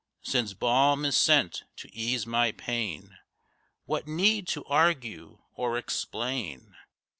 Since balm is sent to ease my pain, What need to argue or explain?